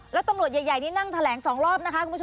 แล้วตำรวจใหญ่นี่นั่งแถลง๒รอบนะคะคุณผู้ชม